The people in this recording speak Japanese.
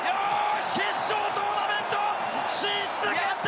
決勝トーナメント進出決定！